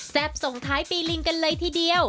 ส่งท้ายปีลิงกันเลยทีเดียว